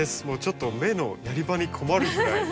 もうちょっと目のやり場に困るぐらい。